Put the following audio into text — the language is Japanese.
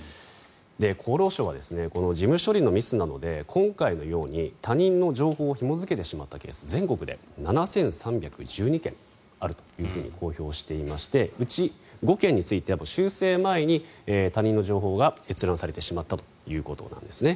厚労省は事務処理のミスなどで今回のように他人の情報をひも付けてしまったケース全国で７３１２件あると公表していましてうち５件について、修正前に他人の情報が閲覧されてしまったということなんですね。